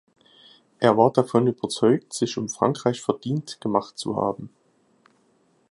Er war davon überzeugt, sich um Frankreich verdient gemacht zu haben.